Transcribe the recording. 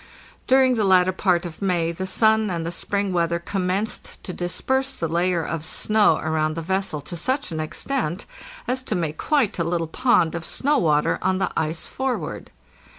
During the latter part of May the sun and the spring weather commenced to disperse the layer of snow around the vessel to such an extent as to make quite a little pond of snow water on the ice forward.